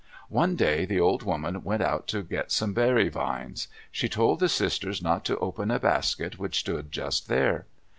One day the old woman went out to get some berry vines. She told the sisters not to open a basket which stood just there.